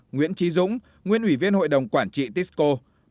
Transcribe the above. ba nguyễn trí dũng nguyễn ủy viên hội đồng quản trị tisco